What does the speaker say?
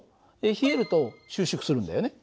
冷えると収縮するんだよね。